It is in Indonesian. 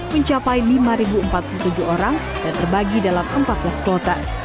mencapai lima empat puluh tujuh orang dan terbagi dalam empat belas kloter